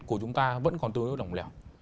của chúng ta vẫn còn tương đối đồng lẻo